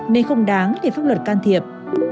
nên không đáng để pháp luật can thiệp